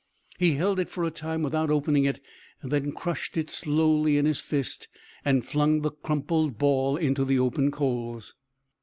He held it for a time without opening it; then crushed it slowly in his fist, and flung the crumpled ball into the open coals.